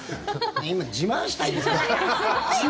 今自慢したいんですか？